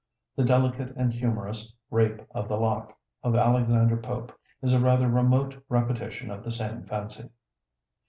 The delicate and humorous 'Rape of the Lock' of Alexander Pope is a rather remote repetition of the same fancy.